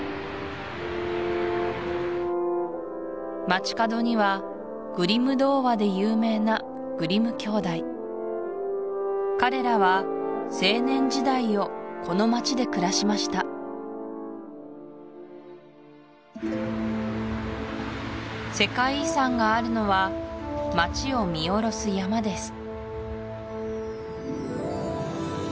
街角にはグリム童話で有名なグリム兄弟彼らは青年時代をこの町で暮らしました世界遺産があるのは町を見下ろす山です